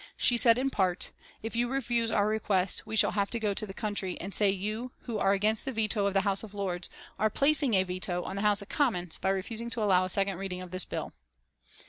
She said in part: "If you refuse our request we shall have to go to the country and say you, who are against the veto of the House of Lords, are placing a veto on the House of Commons by refusing to allow a second reading of this bill."